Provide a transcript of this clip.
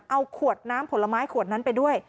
เอาขวดน้ำผลไม้ขวดนั้นไปด้วย